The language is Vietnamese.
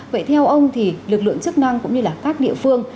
vậy theo ông thì lực lượng chức năng cũng như là các địa phương